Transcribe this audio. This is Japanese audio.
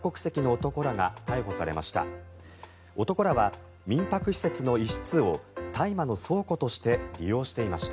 男らは民泊施設の一室を大麻の倉庫として利用していました。